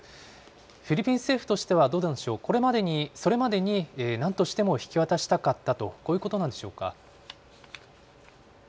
フィリピン政府としては、どうなんでしょう、それまでになんとしても引き渡したかったと、こういうことなんでしょうか。